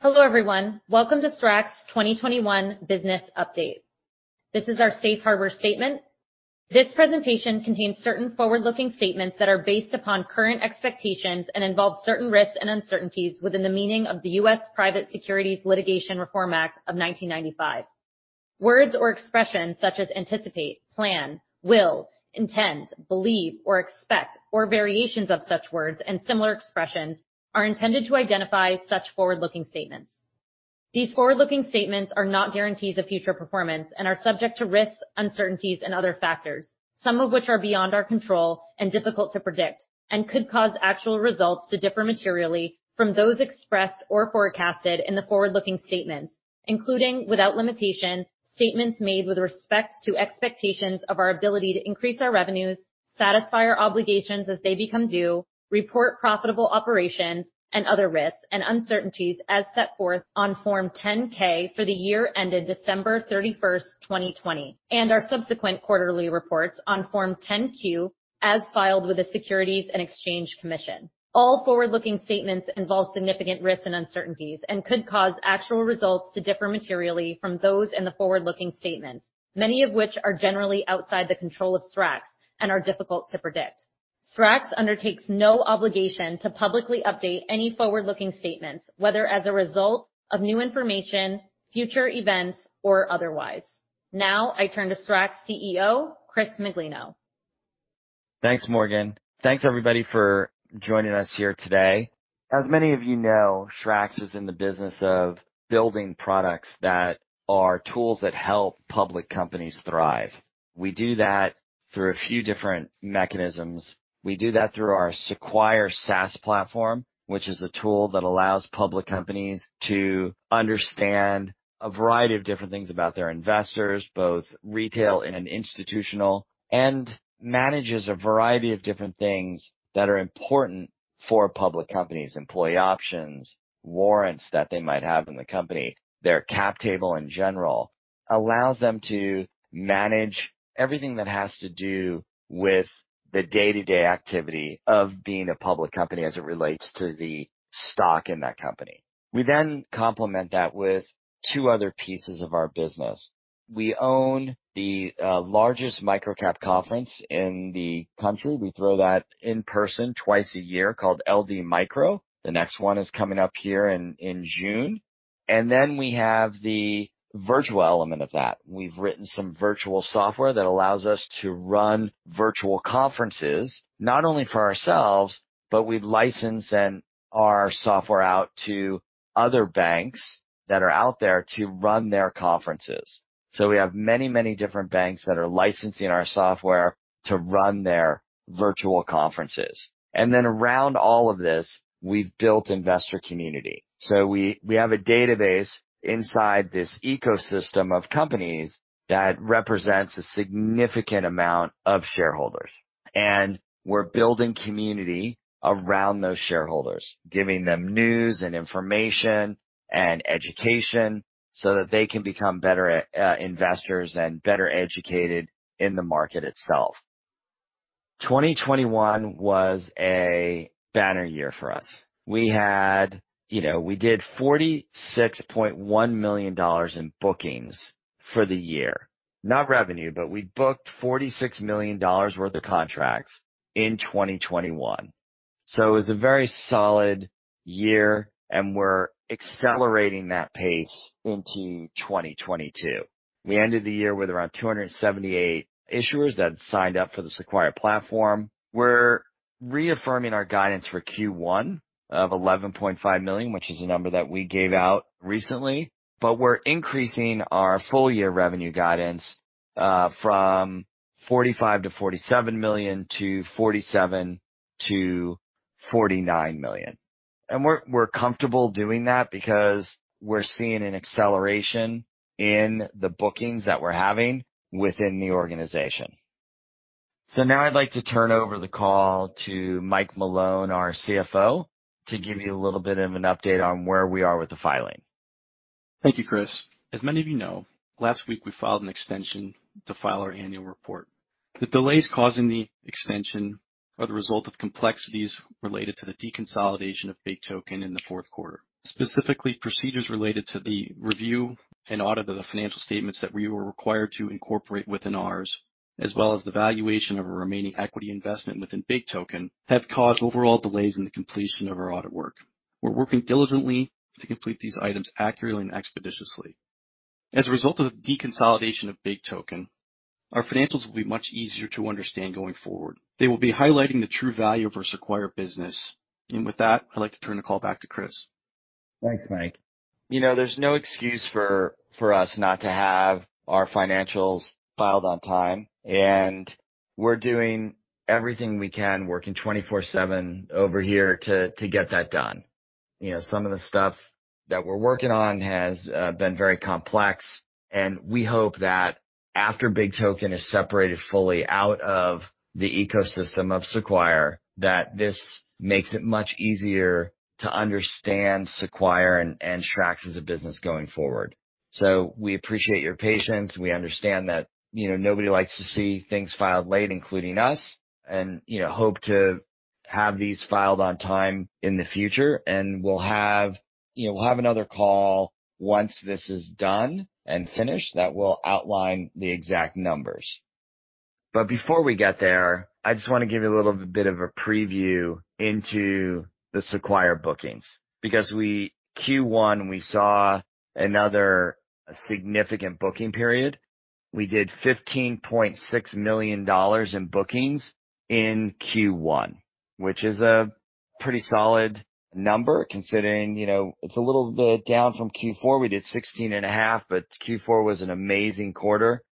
Hello everyone. Welcome to SRAX 2021 business update. This is our safe harbor statement. This presentation contains certain forward-looking statements that are based upon current expectations and involve certain risks and uncertainties within the meaning of the Private Securities Litigation Reform Act of 1995. Words or expressions such as anticipate, plan, will, intend, believe or expect, or variations of such words and similar expressions are intended to identify such forward-looking statements. These forward-looking statements are not guarantees of future performance and are subject to risks, uncertainties and other factors, some of which are beyond our control and difficult to predict and could cause actual results to differ materially from those expressed or forecasted in the forward-looking statements, including without limitation, statements made with respect to expectations of our ability to increase our revenues, satisfy our obligations as they become due, report profitable operations and other risks and uncertainties as set forth on Form 10-K for the year ended December 31st, 2020, and our subsequent quarterly reports on Form 10-Q as filed with the Securities and Exchange Commission. All forward-looking statements involve significant risks and uncertainties and could cause actual results to differ materially from those in the forward-looking statements, many of which are generally outside the control of SRAX and are difficult to predict. SRAX undertakes no obligation to publicly update any forward-looking statements, whether as a result of new information, future events, or otherwise. Now I turn to SRAX CEO, Chris Miglino. Thanks, Morgan. Thanks everybody for joining us here today. As many of you know, SRAX is in the business of building products that are tools that help public companies thrive. We do that through a few different mechanisms. We do that through our Sequire SaaS platform, which is a tool that allows public companies to understand a variety of different things about their investors, both retail and institutional, and manages a variety of different things that are important for public companies, employee options, warrants that they might have in the company. Their cap table in general allows them to manage everything that has to do with the day-to-day activity of being a public company as it relates to the stock in that company. We then complement that with two other pieces of our business. We own the largest microcap conference in the country. We throw that in person twice a year called LD Micro. The next one is coming up here in June. Then we have the virtual element of that. We've written some virtual software that allows us to run virtual conferences, not only for ourselves, but we've licensed then our software out to other banks that are out there to run their conferences. We have many, many different banks that are licensing our software to run their virtual conferences. Then around all of this, we've built investor community. We have a database inside this ecosystem of companies that represents a significant amount of shareholders. We're building community around those shareholders, giving them news and information and education so that they can become better investors and better educated in the market itself. 2021 was a banner year for us. We had... You know, we did $46.1 million in bookings for the year, not revenue, but we booked $46 million worth of contracts in 2021. It was a very solid year, and we're accelerating that pace into 2022. We ended the year with around 278 issuers that signed up for the Sequire platform. We're reaffirming our guidance for Q1 of $11.5 million, which is a number that we gave out recently. We're increasing our full year revenue guidance from $45 million-$47 million to $47 million-$49 million. We're comfortable doing that because we're seeing an acceleration in the bookings that we're having within the organization. Now I'd like to turn over the call to Mike Malone, our CFO, to give you a little bit of an update on where we are with the filing. Thank you, Chris. As many of you know, last week we filed an extension to file our annual report. The delays causing the extension are the result of complexities related to the deconsolidation of BIGtoken in the fourth quarter. Specifically, procedures related to the review and audit of the financial statements that we were required to incorporate within ours, as well as the valuation of a remaining equity investment within BIGtoken, have caused overall delays in the completion of our audit work. We're working diligently to complete these items accurately and expeditiously. As a result of the deconsolidation of BIGtoken, our financials will be much easier to understand going forward. They will be highlighting the true value of our Sequire business. With that, I'd like to turn the call back to Chris. Thanks, Mike. You know, there's no excuse for us not to have our financials filed on time, and we're doing everything we can, working 24/7 over here to get that done. You know, some of the stuff that we're working on has been very complex, and we hope that after BIGtoken is separated fully out of the ecosystem of Sequire, that this makes it much easier to understand Sequire and SRAX as a business going forward. We appreciate your patience. We understand that, you know, nobody likes to see things filed late, including us, and, you know, hope to have these filed on time in the future. We'll have another call once this is done and finished that will outline the exact numbers. Before we get there, I just want to give you a little bit of a preview into the Sequire bookings, because Q1, we saw another significant booking period. We did $15.6 million in bookings in Q1, which is a pretty solid number considering, you know, it's a little bit down from Q4. We did $16.5 million, but Q4 was an amazing quarter.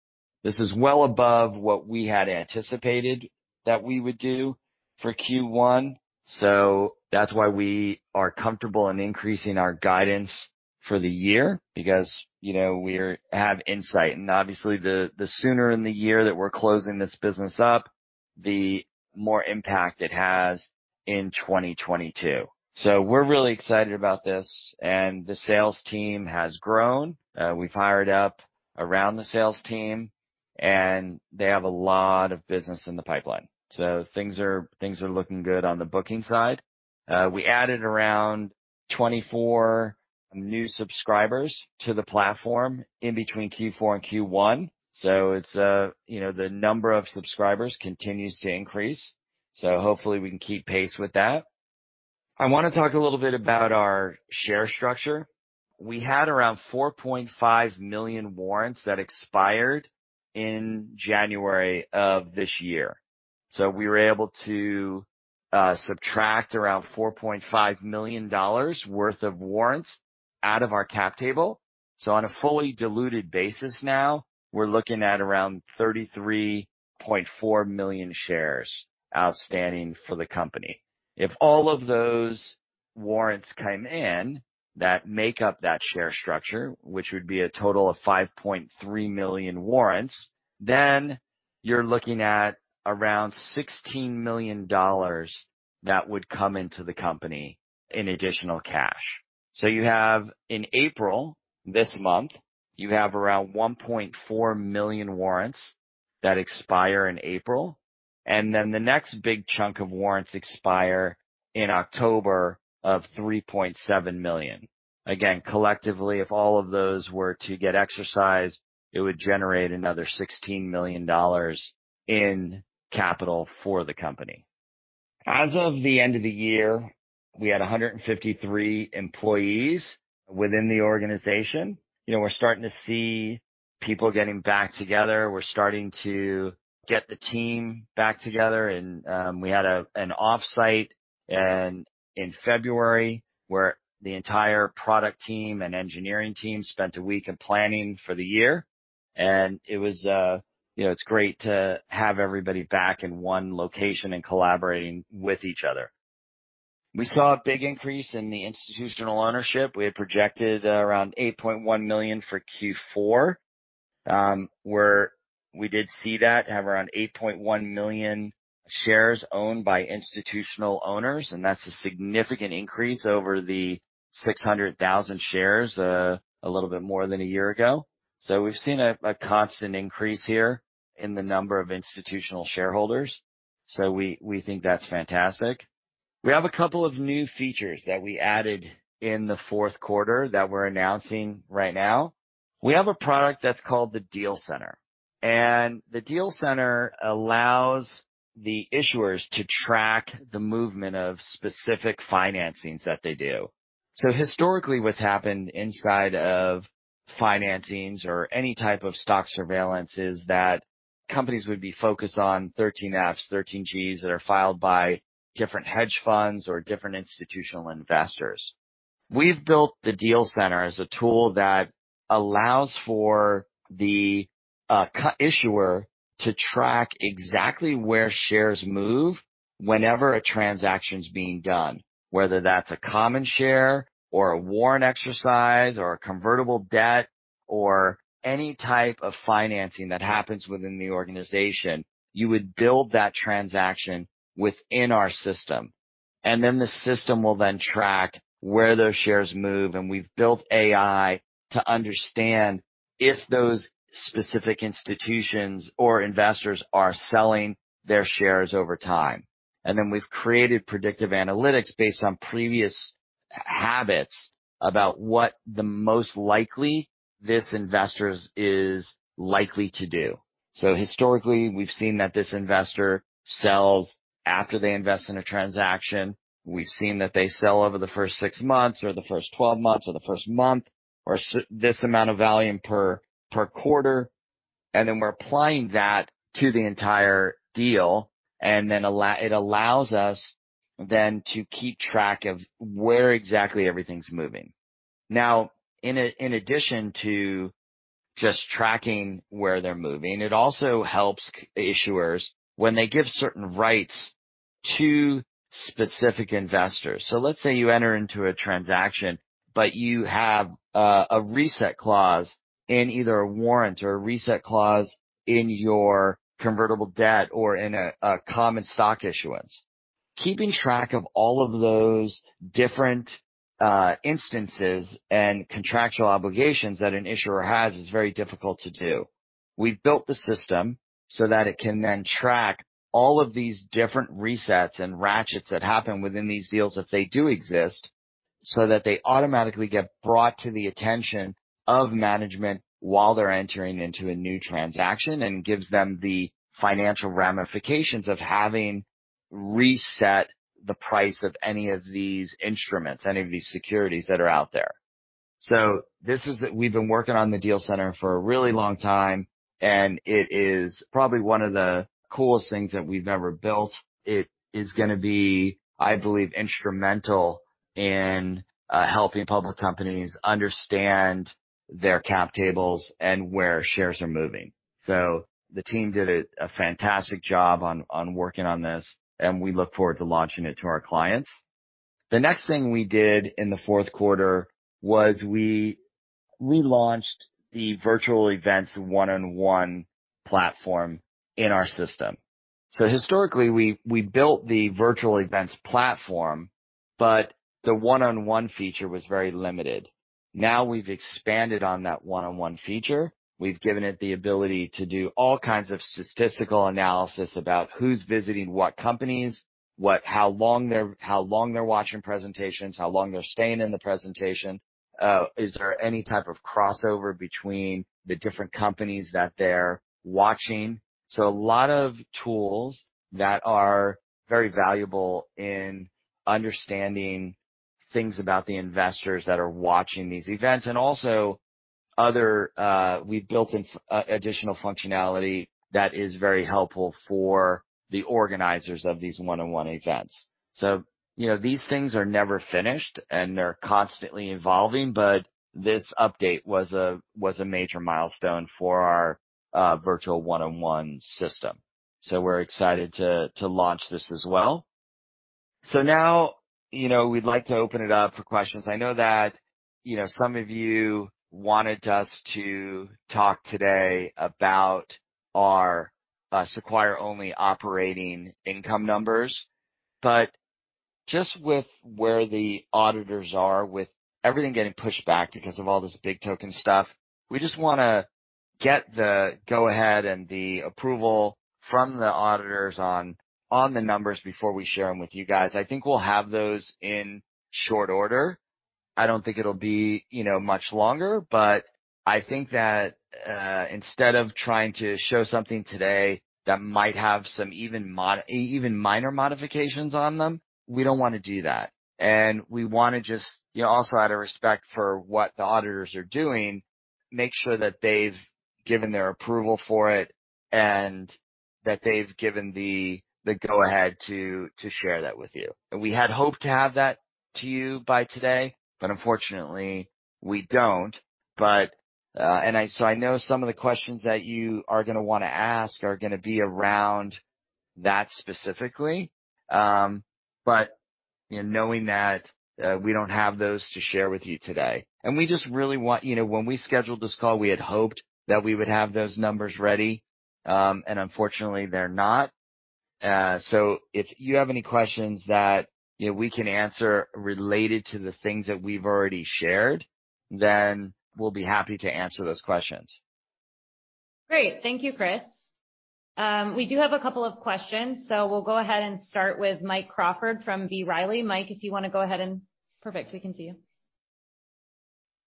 This is well above what we had anticipated that we would do for Q1. That's why we are comfortable in increasing our guidance for the year because, you know, we have insight and obviously the sooner in the year that we're closing this business up, the more impact it has in 2022. We're really excited about this. The sales team has grown. We've hired up around the sales team, and they have a lot of business in the pipeline. Things are looking good on the booking side. We added around 24 new subscribers to the platform in between Q4 and Q1. It's you know the number of subscribers continues to increase. Hopefully we can keep pace with that. I wanna talk a little bit about our share structure. We had around 4.5 million warrants that expired in January of this year. We were able to subtract around $4.5 million worth of warrants out of our cap table. On a fully diluted basis now, we're looking at around 33.4 million shares outstanding for the company. If all of those warrants come in that make up that share structure, which would be a total of 5.3 million warrants, then you're looking at around $16 million that would come into the company in additional cash. You have in April, this month, you have around 1.4 million warrants that expire in April, and then the next big chunk of warrants expire in October of 3.7 million. Again, collectively, if all of those were to get exercised, it would generate another $16 million in capital for the company. As of the end of the year, we had 153 employees within the organization. You know, we're starting to see people getting back together. We're starting to get the team back together. We had an offsite in February where the entire product team and engineering team spent a week in planning for the year. It was, you know, it's great to have everybody back in one location and collaborating with each other. We saw a big increase in the institutional ownership. We had projected around 8.1 million for Q4, where we did see that we have around 8.1 million shares owned by institutional owners, and that's a significant increase over the 600,000 shares, a little bit more than a year ago. We've seen a constant increase here in the number of institutional shareholders. We think that's fantastic. We have a couple of new features that we added in the fourth quarter that we're announcing right now. We have a product that's called the Deal Center, and the Deal Center allows the issuers to track the movement of specific financings that they do. Historically, what's happened inside of financings or any type of stock surveillance is that companies would be focused on 13F's, 13G's that are filed by different hedge funds or different institutional investors. We've built the Deal Center as a tool that allows for the issuer to track exactly where shares move whenever a transaction's being done, whether that's a common share or a warrant exercise or a convertible debt or any type of financing that happens within the organization. You would build that transaction within our system, and then the system will then track where those shares move. We've built AI to understand if those specific institutions or investors are selling their shares over time. Then we've created predictive analytics based on previous habits about what the most likely this investor is likely to do. Historically, we've seen that this investor sells after they invest in a transaction. We've seen that they sell over the first six months or the first 12 months or the first month or this amount of volume per quarter. We're applying that to the entire deal. It allows us then to keep track of where exactly everything's moving. Now, in addition to just tracking where they're moving, it also helps issuers when they give certain rights to specific investors. Let's say you enter into a transaction, but you have a reset clause in either a warrant or a reset clause in your convertible debt or in a common stock issuance. Keeping track of all of those different instances and contractual obligations that an issuer has is very difficult to do. We've built the system so that it can then track all of these different resets and ratchets that happen within these deals, if they do exist, so that they automatically get brought to the attention of management while they're entering into a new transaction, and gives them the financial ramifications of having reset the price of any of these instruments, any of these securities that are out there. We've been working on the Deal Center for a really long time, and it is probably one of the coolest things that we've ever built. It is gonna be, I believe, instrumental in helping public companies understand their cap tables and where shares are moving. The team did a fantastic job on working on this, and we look forward to launching it to our clients. The next thing we did in the fourth quarter was we relaunched the virtual events one-on-one platform in our system. Historically, we built the virtual events platform, but the one-on-one feature was very limited. Now we've expanded on that one-on-one feature. We've given it the ability to do all kinds of statistical analysis about who's visiting what companies, how long they're watching presentations, how long they're staying in the presentation. Is there any type of crossover between the different companies that they're watching? A lot of tools that are very valuable in understanding things about the investors that are watching these events and also other. We've built additional functionality that is very helpful for the organizers of these one-on-one events. You know, these things are never finished, and they're constantly evolving. This update was a major milestone for our virtual one-on-one system. We're excited to launch this as well. Now, you know, we'd like to open it up for questions. I know that, you know, some of you wanted us to talk today about our Sequire-only operating income numbers. Just with where the auditors are with everything getting pushed back because of all this BIGtoken stuff, we just wanna get the go ahead and the approval from the auditors on the numbers before we share them with you guys. I think we'll have those in short order. I don't think it'll be, you know, much longer, but I think that, instead of trying to show something today that might have some even minor modifications on them, we don't wanna do that. We wanna just, you know, also out of respect for what the auditors are doing, make sure that they've given their approval for it and that they've given the go ahead to share that with you. We had hoped to have that to you by today, but unfortunately, we don't. I know some of the questions that you are gonna wanna ask are gonna be around that specifically. But you know, knowing that, we don't have those to share with you today. You know, when we scheduled this call, we had hoped that we would have those numbers ready. Unfortunately, they're not. If you have any questions that, you know, we can answer related to the things that we've already shared, then we'll be happy to answer those questions. Great. Thank you, Chris. We do have a couple of questions, so we'll go ahead and start with Mike Crawford from B. Riley. Mike, if you wanna go ahead. Perfect. We can see you.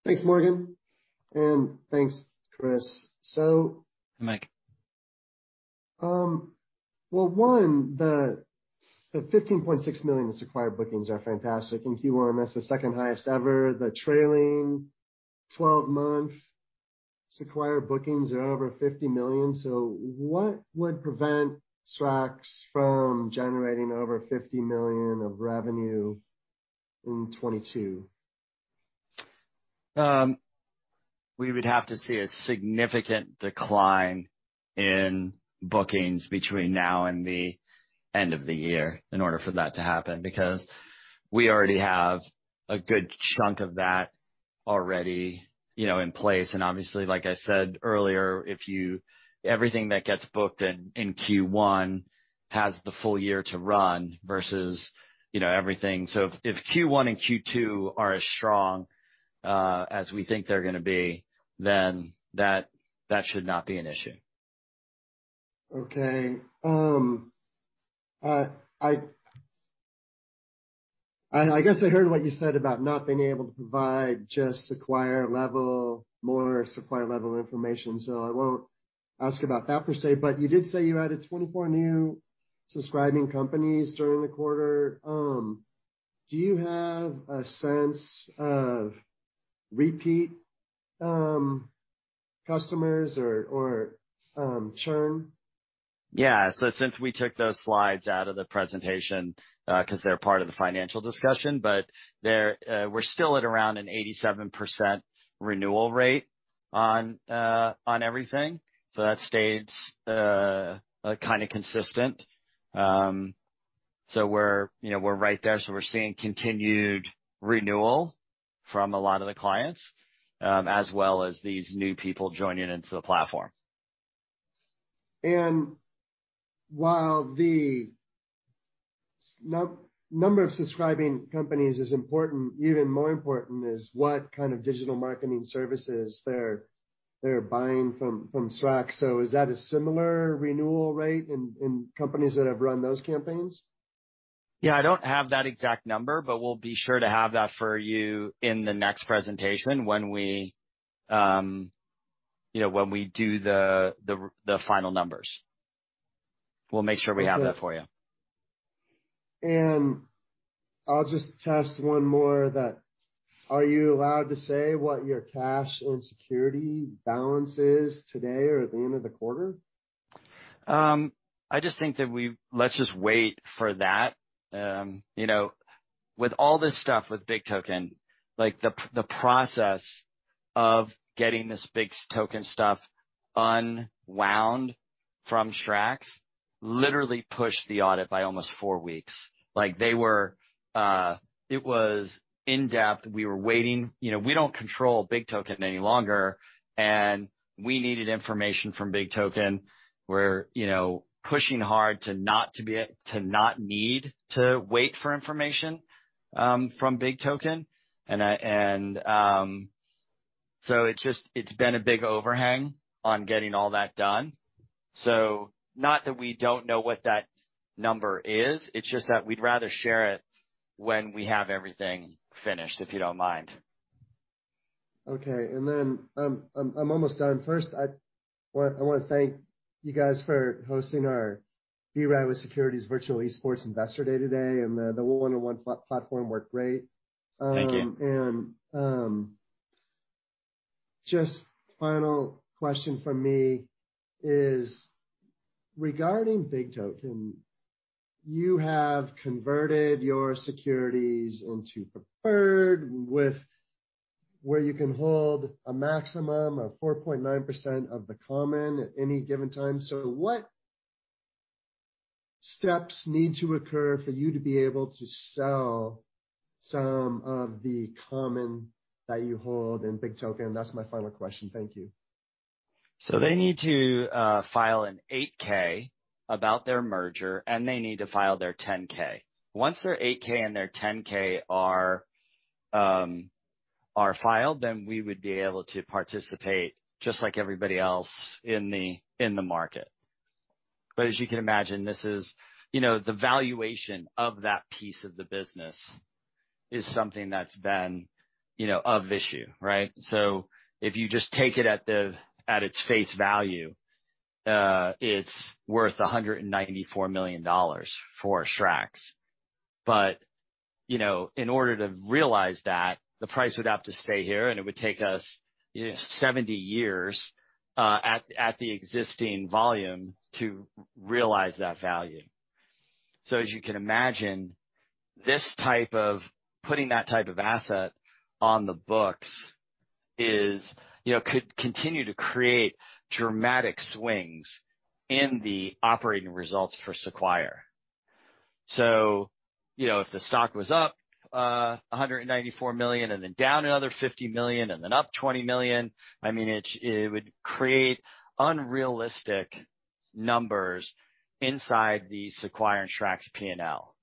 Thanks, Morgan. Thanks, Chris. Hi, Mike. The $15.6 million Sequire bookings are fantastic. In Q1, that's the second highest ever. The trailing 12-month Sequire bookings are over $50 million. What would prevent SRAX from generating over $50 million of revenue in 2022? We would have to see a significant decline in bookings between now and the end of the year in order for that to happen, because we already have a good chunk of that already, you know, in place. Obviously, like I said earlier, everything that gets booked in Q1 has the full year to run versus, you know, everything. If Q1 and Q2 are as strong as we think they're gonna be, then that should not be an issue. Okay. I guess I heard what you said about not being able to provide just Sequire-level, more Sequire-level information, so I won't ask about that per se. You did say you added 24 new subscribing companies during the quarter. Do you have a sense of repeat customers or churn? Yeah, since we took those slides out of the presentation, 'cause they're part of the financial discussion, we're still at around an 87% renewal rate on everything. That stays kinda consistent. We're, you know, right there. We're seeing continued renewal from a lot of the clients, as well as these new people joining into the platform. While the number of subscribing companies is important, even more important is what kind of digital marketing services they're buying from SRAX. Is that a similar renewal rate in companies that have run those campaigns? Yeah. I don't have that exact number, but we'll be sure to have that for you in the next presentation when we, you know, when we do the final numbers. We'll make sure we have that for you. Okay. I'll just test one more, that are you allowed to say what your cash and securities balance is today or at the end of the quarter? I just think that, let's just wait for that. You know, with all this stuff with BIGtoken, like, the process of getting this BIGtoken stuff unwound from SRAX literally pushed the audit by almost four weeks. Like, they were it was in-depth. We were waiting. You know, we don't control BIGtoken any longer, and we needed information from BIGtoken. We're, you know, pushing hard to not need to wait for information from BIGtoken. So it's just been a big overhang on getting all that done. Not that we don't know what that number is, it's just that we'd rather share it when we have everything finished, if you don't mind. Okay. I'm almost done. First, I want, I wanna thank you guys for hosting our derivative securities virtual esports investor day today, and the one-on-one platform worked great. Thank you. Just final question from me is regarding BIGtoken. You have converted your securities into preferred with where you can hold a maximum of 4.9% of the common at any given time. What steps need to occur for you to be able to sell some of the common that you hold in BIGtoken? That's my final question. Thank you. They need to file an 8-K about their merger, and they need to file their 10-K. Once their 8-K and their 10-K are filed, then we would be able to participate just like everybody else in the market. As you can imagine, you know, the valuation of that piece of the business is something that's been, you know, an issue, right? If you just take it at its face value, it's worth $194 million for SRAX. You know, in order to realize that, the price would have to stay here, and it would take us 70 years at the existing volume to realize that value. As you can imagine, this type of putting that type of asset on the books is, you know, could continue to create dramatic swings in the operating results for Sequire. You know, if the stock was up $194 million and then down another $50 million and then up $20 million, I mean, it would create unrealistic numbers inside the Sequire and SRAX P&L.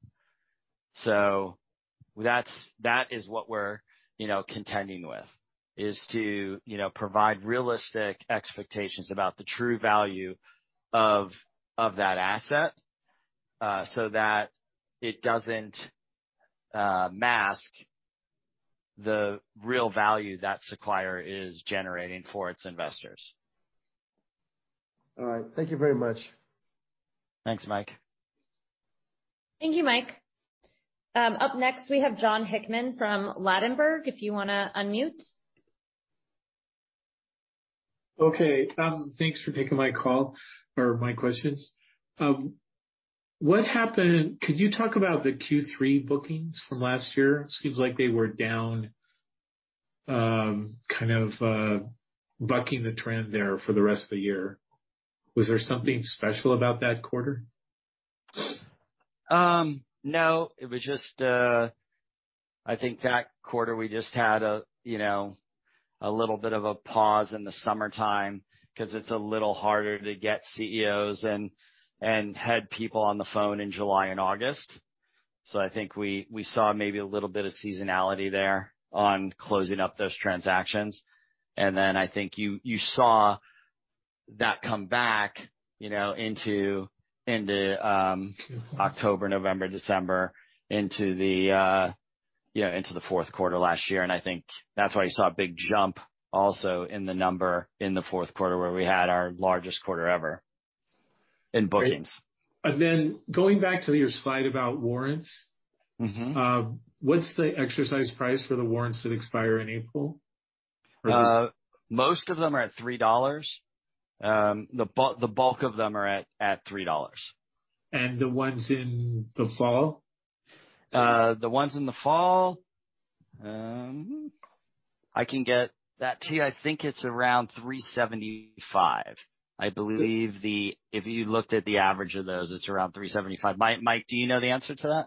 That's, that is what we're, you know, contending with, is to, you know, provide realistic expectations about the true value of that asset, so that it doesn't mask the real value that Sequire is generating for its investors. All right. Thank you very much. Thanks, Mike. Thank you, Mike. Up next we have Jon Hickman from Ladenburg, if you wanna unmute. Okay. Thanks for taking my call or my questions. What happened? Could you talk about the Q3 bookings from last year? Seems like they were down, kind of, bucking the trend there for the rest of the year. Was there something special about that quarter? No, it was just, I think that quarter we just had a, you know, a little bit of a pause in the summertime 'cause it's a little harder to get CEOs and head people on the phone in July and August. I think we saw maybe a little bit of seasonality there on closing up those transactions. I think you saw that come back, you know, into October, November, December, into the, you know, into the fourth quarter last year. I think that's why you saw a big jump also in the number in the fourth quarter where we had our largest quarter ever in bookings. Going back to your slide about warrants- Mm-hmm. What's the exercise price for the warrants that expire in April? Most of them are at $3. The bulk of them are at $3. The ones in the fall? The ones in the fall, I can get that to you. I think it's around $375. I believe that if you looked at the average of those, it's around $375. Mike, do you know the answer to that?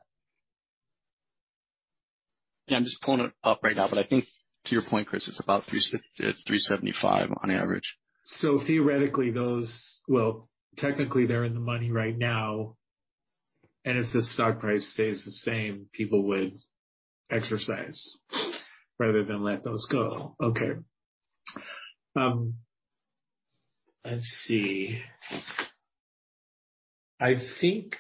Yeah, I'm just pulling it up right now, but I think to your point, Chris, it's about $375 on average. Theoretically, well, technically, they're in the money right now, and if the stock price stays the same, people would exercise rather than let those go. Okay. Let's see. I think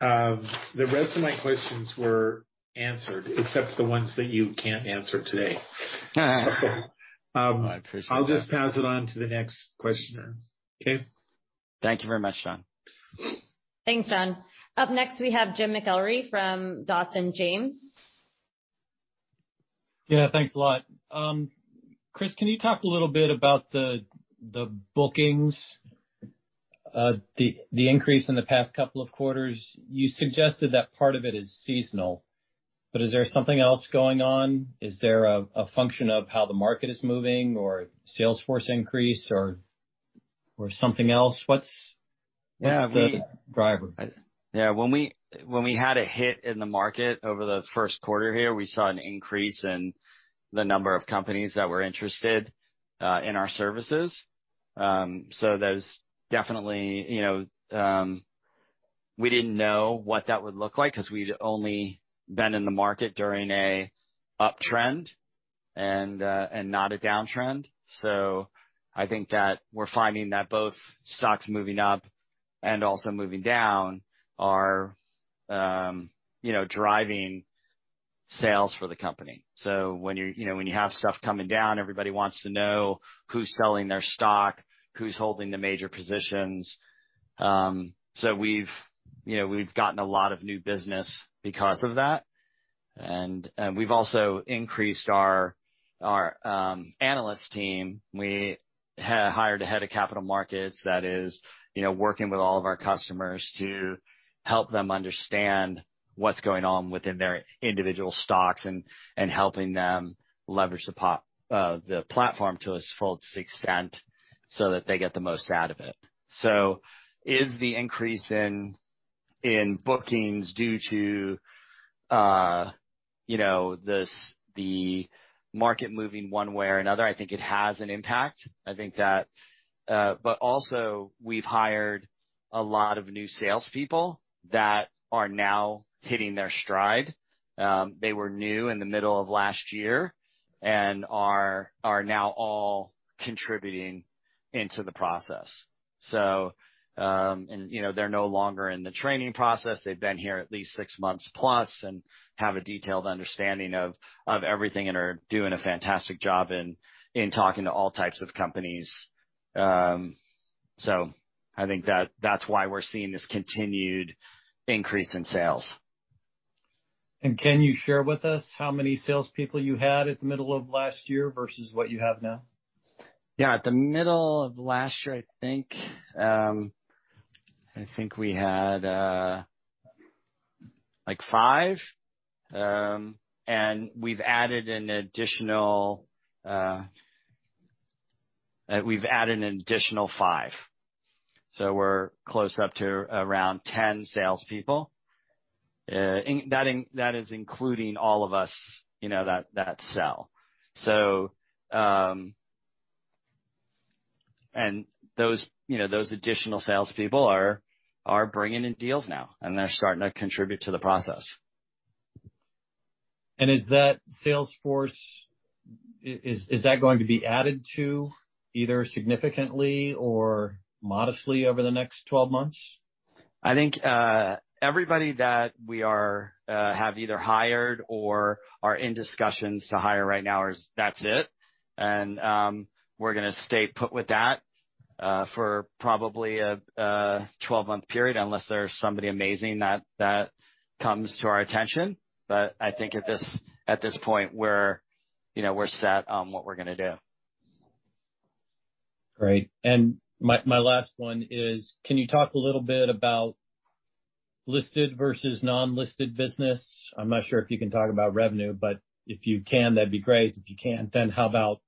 the rest of my questions were answered, except for the ones that you can't answer today. I appreciate that. I'll just pass it on to the next questioner. Okay? Thank you very much, Jon. Thanks, Jon. Up next, we have Jim McIlree from Dawson James. Yeah, thanks a lot. Chris, can you talk a little bit about the bookings, the increase in the past couple of quarters? You suggested that part of it is seasonal, but is there something else going on? Is there a function of how the market is moving or sales force increase or something else? What's the driver? Yeah. When we had a hit in the market over the first quarter here, we saw an increase in the number of companies that were interested in our services. There's definitely, you know, we didn't know what that would look like because we'd only been in the market during an uptrend and not a downtrend. I think that we're finding that both stocks moving up and also moving down are, you know, driving sales for the company. When you have stuff coming down, everybody wants to know who's selling their stock, who's holding the major positions. We've, you know, gotten a lot of new business because of that. We've also increased our analyst team. We hired a head of capital markets that is, you know, working with all of our customers to help them understand what's going on within their individual stocks and helping them leverage the platform to its fullest extent so that they get the most out of it. Is the increase in bookings due to, you know, this, the market moving one way or another? I think it has an impact. I think that, but also we've hired a lot of new salespeople that are now hitting their stride. They were new in the middle of last year and are now all contributing into the process. You know, they're no longer in the training process. They've been here at least six months plus and have a detailed understanding of everything and are doing a fantastic job in talking to all types of companies. I think that that's why we're seeing this continued increase in sales. Can you share with us how many salespeople you had at the middle of last year versus what you have now? Yeah. At the middle of last year, I think we had, like, five. We've added an additional five. We're close up to around 10 salespeople. That is including all of us, you know, that sell. Those additional salespeople are bringing in deals now, and they're starting to contribute to the process. Is that sales force going to be added to either significantly or modestly over the next 12 months? I think everybody that we have either hired or are in discussions to hire right now is, that's it. We're gonna stay put with that for probably a 12-month period, unless there's somebody amazing that comes to our attention. I think at this point, you know, we're set on what we're gonna do. Great. My last one is, can you talk a little bit about listed versus non-listed business? I'm not sure if you can talk about revenue, but if you can, that'd be great. If you can't, then how about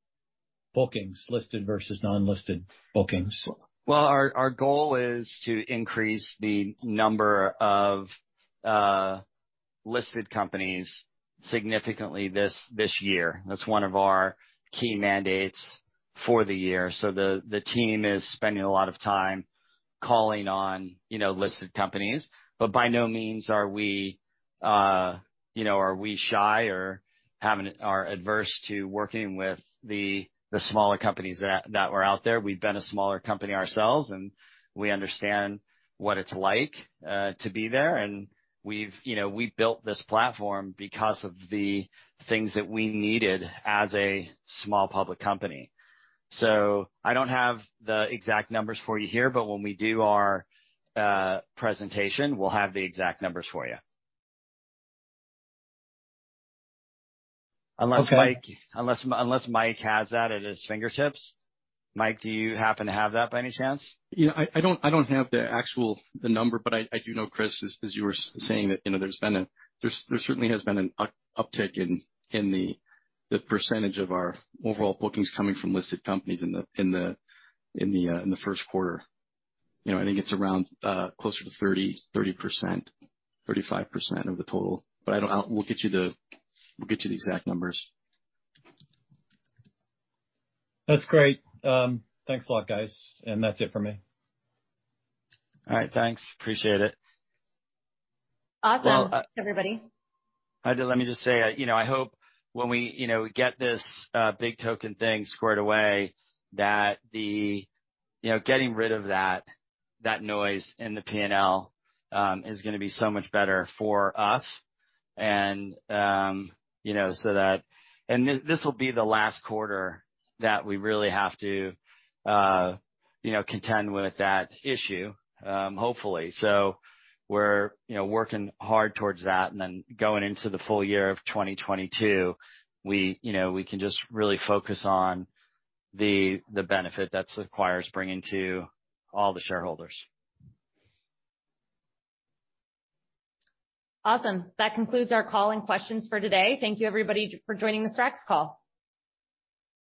bookings, listed versus non-listed bookings? Well, our goal is to increase the number of listed companies significantly this year. That's one of our key mandates for the year. The team is spending a lot of time calling on, you know, listed companies. But by no means are we shy or averse to working with the smaller companies that were out there. We've been a smaller company ourselves, and we understand what it's like to be there. We've, you know, built this platform because of the things that we needed as a small public company. I don't have the exact numbers for you here, but when we do our presentation, we'll have the exact numbers for you. Okay. Unless Mike has that at his fingertips. Mike, do you happen to have that by any chance? You know, I don't have the actual number, but I do know, Chris, as you were saying that, you know, there's certainly been an uptick in the percentage of our overall bookings coming from listed companies in the first quarter. You know, I think it's around closer to 30%-35% of the total. But I don't. We'll get you the exact numbers. That's great. Thanks a lot, guys. That's it for me. All right. Thanks. Appreciate it. Awesome, everybody. Well, let me just say, you know, I hope when we, you know, we get this BIGtoken thing squared away, that the, you know, getting rid of that noise in the P&L is gonna be so much better for us. You know, so that this will be the last quarter that we really have to, you know, contend with that issue, hopefully. We're, you know, working hard towards that. Going into the full year of 2022, we, you know, we can just really focus on the benefit that Sequire's bringing to all the shareholders. Awesome. That concludes our call and questions for today. Thank you, everybody, for joining this SRAX call.